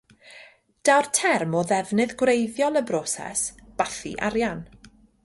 Daw'r term o ddefnydd gwreiddiol y broses: bathu arian.